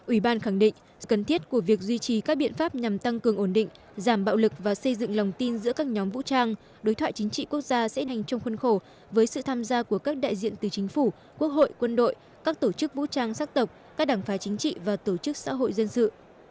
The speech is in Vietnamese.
ủy ban khẳng định cần thiết của việc duy trì các biện pháp nhằm tăng cường ổn định giảm bạo lực và xây dựng lòng tin giữa các nhóm vũ trang đối thoại chính trị quốc gia sẽ nằm trong khuôn khổ với sự tham gia của các đại diện từ chính phủ quốc hội quân đội các tổ chức vũ trang sắc tộc các đảng phái chính trị và tổ chức xã hội dân sự